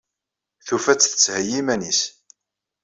Tufa-tt tettheyyi iman-is.